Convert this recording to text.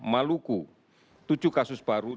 maluku tujuh kasus baru dengan lima belas sembuh